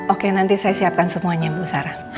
oke nanti saya siapkan semuanya bu sarah